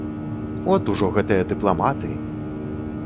От ужо гэтыя дыпламаты!